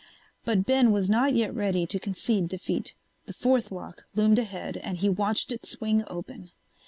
But Ben was not yet ready to concede defeat. The fourth lock loomed ahead and he watched it swing open.